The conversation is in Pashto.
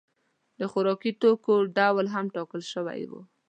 د خوراکي توکو ډول هم ټاکل شوی و.